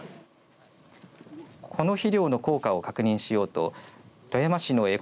この肥料の効果を確認しようと富山市のえ